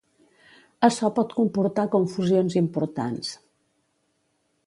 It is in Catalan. Açò pot comportar confusions importants.